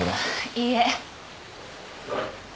いいえ。